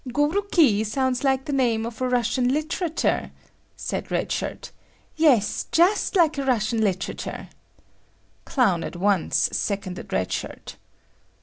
"Goruki sounds like the name of a Russian literator," said Red Shirt. "Yes, just like a Russian literator," Clown at once seconded Red Shirt.